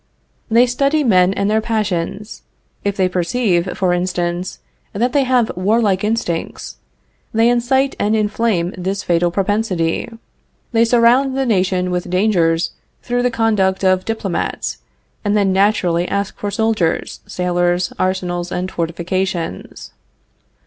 They study men and their passions. If they perceive, for instance, that they have warlike instincts, they incite and inflame this fatal propensity. They surround the nation with dangers through the conduct of diplomats, and then naturally ask for soldiers, sailors, arsenals and fortifications.